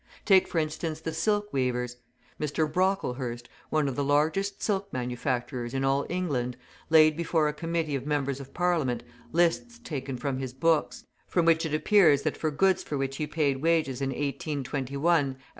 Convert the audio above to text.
Take, for instance, the silk weavers. Mr. Brocklehurst, one of the largest silk manufacturers in all England, laid before a committee of members of Parliament lists taken from his books, from which it appears that for goods for which he paid wages in 1821 at the rate of 30s., 14s.